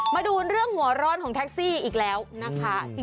มาดูเรื่องหัวร้อนของแท็กซี่อีกแล้วนะคะ